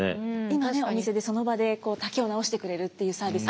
今ねお店でその場で丈を直してくれるっていうサービス